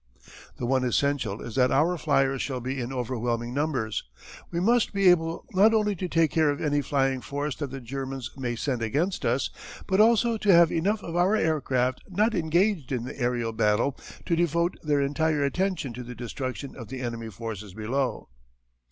The one essential is that our flyers shall be in overwhelming numbers. We must be able not only to take care of any flying force that the Germans may send against us, but also to have enough of our aircraft not engaged in the aërial battle to devote their entire attention to the destruction of the enemy forces below.